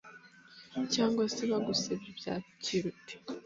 cyangwa se bagusebya ubyakira ute